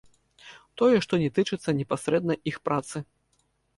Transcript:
Тое, што не тычыцца непасрэдна іх працы.